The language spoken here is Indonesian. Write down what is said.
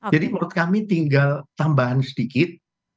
jadi menurut kami tinggal tambahan sedikit